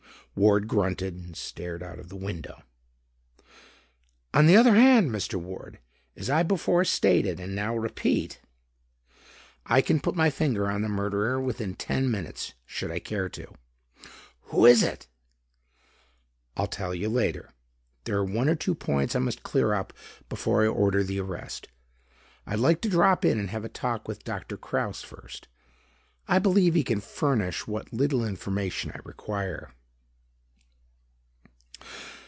Ward grunted and stared out of the window. "On the other hand, Mr. Ward, as I before stated and now repeat, I can put my finger on the murderer within ten minutes, should I care to." "Who is it?" "I'll tell you later. There are one or two points I must clear up before I order the arrest. I'd like to drop in and have a talk with Doctor Kraus first. I believe he can furnish what little information I require."